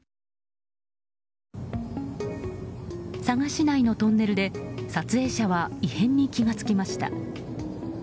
佐賀市内のトンネルで撮影者は異変に気が付きました。